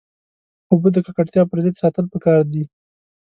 اوبه د ککړتیا پر ضد ساتل پکار دي.